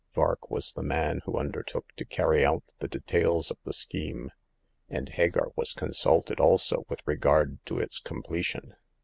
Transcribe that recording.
Vark was the man who undertook to carry out the de tails of the scheme ; and Hagar was consulted also with regard to its completion.